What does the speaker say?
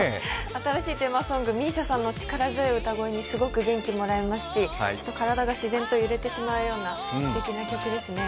新しいテーマソング、ＭＩＳＩＡさんの力強い歌声に体が自然と揺れてしまうようなすてきな曲ですね。